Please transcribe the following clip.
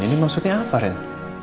ini maksudnya apa ren